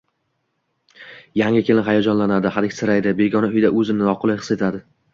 Yangi kelin hayajonlanadi, hadiksiraydi, begona uyda o‘zini noqulay his etadi.